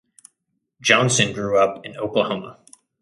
Johnson grew up in Oklahoma.